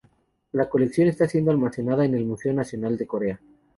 La colección está siendo almacenada en el Museo Nacional de Corea.